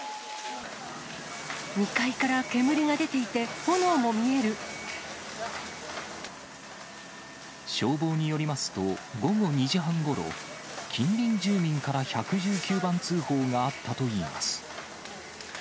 ２階から煙が出ていて、消防によりますと、午後２時半ごろ、近隣住民から１１９番通報があったといいます。